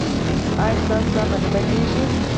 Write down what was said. ایا ستاسو ساه به نه بندیږي؟